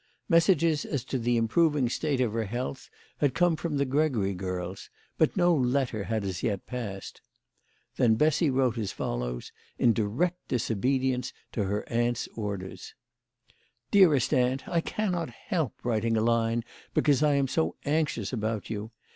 Messages as to the improving state of her health had come from the Gregory girls, but no letter had as yet passed. Then Bessy wrote as follows, in direct disobedience to her aunt's orders : "Dearest Aunt, I cannot help writing a line because I am so anxious about you.